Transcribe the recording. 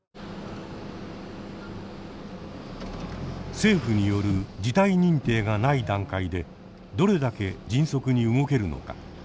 政府による事態認定がない段階でどれだけ迅速に動けるのか